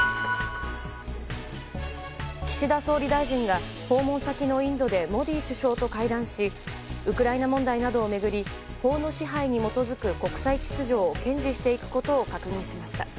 岸田総理大臣が訪問先のインドでモディ首相と会談しウクライナ問題などを巡り法の支配に基づく国際秩序を堅持していくことを確認しました。